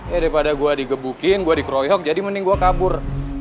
eh daripada gue digebukin gue dikeroyok jadi mending gue kabur